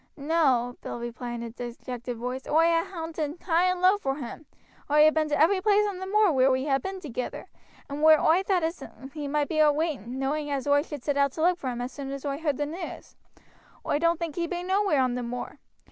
"No," Bill replied in a dejected voice. "Oi ha' hoonted high and low vor him; oi ha' been to every place on the moor wheer we ha' been together, and wheer oi thowt as he might be a waiting knowing as oi should set out to look for him as soon as oi heard the news. Oi don't think he be nowhere on the moor.